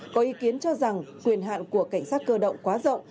có ý kiến cho rằng quyền hạn của cảnh sát cơ động quá rộng